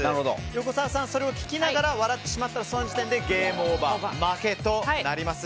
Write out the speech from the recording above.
横澤さんは、それを聞きながら笑ってしまったらその時点でゲームオーバー負けとなります。